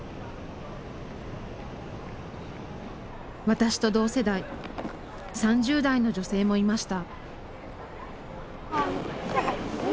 私と同世代３０代の女性もいました。